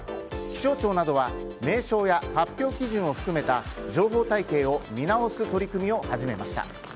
気象庁などは名称や発表基準を含めた情報体系を見直す取り組みを始めました。